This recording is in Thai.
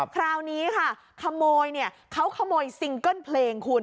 คราวนี้ค่ะขโมยเนี่ยเขาขโมยซิงเกิ้ลเพลงคุณ